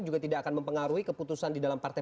juga tidak akan mempengaruhi keputusan di dalam partai